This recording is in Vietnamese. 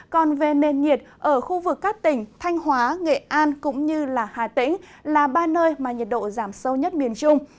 còn về nền nhiệt ở khu vực các tỉnh thanh hóa nghệ an cũng như hà tĩnh là ba nơi mà nhiệt độ giảm sâu nhất miền trung